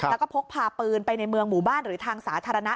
แล้วก็พกพาปืนไปในเมืองหมู่บ้านหรือทางสาธารณะ